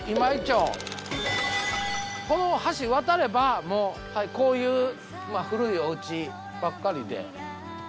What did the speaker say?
この橋渡ればもうこういう古いおうちばっかりで。